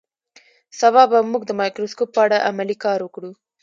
سبا به موږ د مایکروسکوپ په اړه عملي کار وکړو